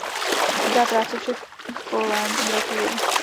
Dobrá práce všech kolem, gratuluji.